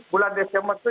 bulan desember itu